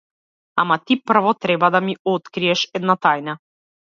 Ама ти прво треба да ми откриеш една тајна!